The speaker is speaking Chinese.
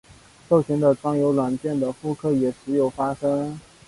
授权的专有软件的复刻也时有发生。